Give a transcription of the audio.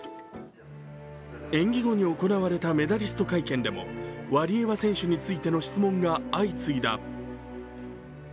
演技後に行われたメダリスト会見でもワリエワ選手についての質問が相次いだ。